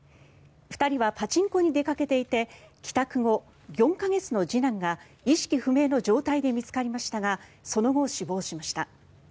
２人はパチンコに出かけていて帰宅後４か月の次男が意識不明の状態で見つかりましたがその後、死亡しました。